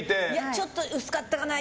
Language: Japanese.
ちょっと薄かったかな。